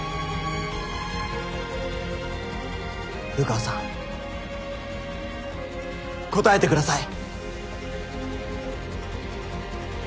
流川さん答えてください！